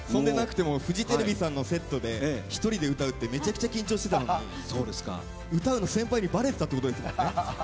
フジテレビさんのセットで１人で歌うってめちゃくちゃ緊張してたのに歌うの先輩にばれてたってことですもんね。